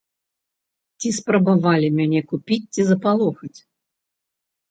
Ці спрабавалі мяне купіць ці запалохаць?